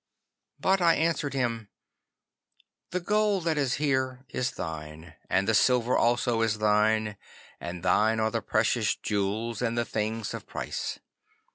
'But I answered him, "The gold that is here is thine, and the silver also is thine, and thine are the precious jewels and the things of price.